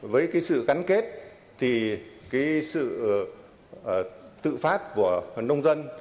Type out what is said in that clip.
với cái sự gắn kết thì cái sự tự phát của nông dân